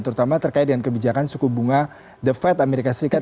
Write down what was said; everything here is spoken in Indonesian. terutama terkait dengan kebijakan suku bunga the fed amerika serikat